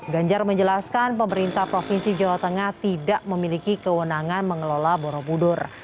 ganjar menjelaskan pemerintah provinsi jawa tengah tidak memiliki kewenangan mengelola borobudur